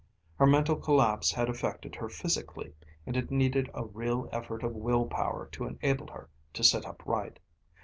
Her mental collapse had affected her physically, and it needed a real effort of will power to enable her to sit up right.